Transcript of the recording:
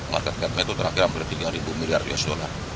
market cat metode terakhir hampir tiga miliar usd